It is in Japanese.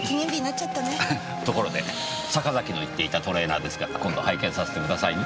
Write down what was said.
ところで坂崎の言っていたトレーナーですが今度拝見させてくださいね。